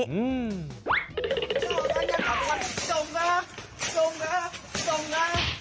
ทุกคนค่ะจงละจงละจงละ